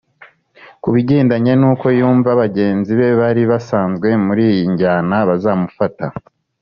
Kubigendanye n’uko yumva bagenzi be bari basanzwe muri iyi njyana bazamufata